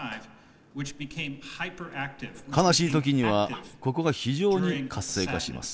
悲しい時にはここが非常に活性化します。